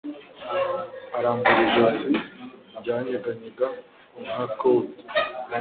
Arambura ijosi ryanyeganyega nka curd